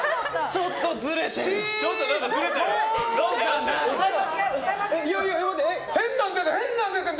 ちょっとずれてる。